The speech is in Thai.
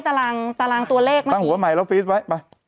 ตั้งหัวใหม่ถอยกลับไป